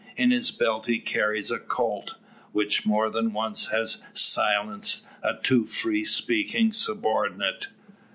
In his belt he carries a "Colt," which more than once has silenced a too free speaking subordinate.